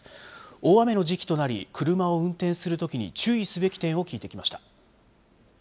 大雨の時期となり、車を運転するときに注意すべき点を聞いてきました。